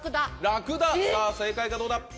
さぁ正解かどうだ？